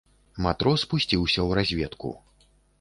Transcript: Матрос пусціўся ў разведку.